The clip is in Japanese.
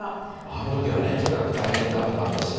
あの時はねとにかく大変だったんですよね。